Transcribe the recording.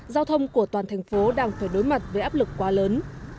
giao thông của toàn thành phố đang phải đối mặt với áp lực quá lớn